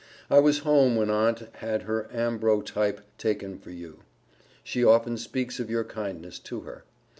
I was home when Aunt had her Ambro type taken for you. She often speaks of your kindness to her.